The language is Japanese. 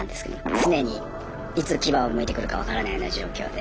常にいつ牙をむいてくるか分からないような状況で。